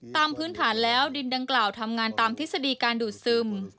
พื้นฐานแล้วดินดังกล่าวทำงานตามทฤษฎีการดูดซึม